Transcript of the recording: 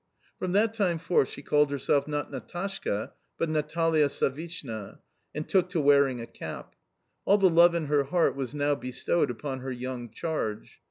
From that time forth she called herself, not Natashka, but Natalia Savishna, and took to wearing a cap. All the love in her heart was now bestowed upon her young charge.